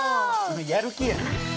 やる気やん。